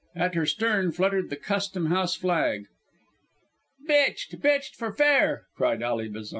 At her stern fluttered the custom house flag. "Bitched bitched for fair!" cried Ally Bazan.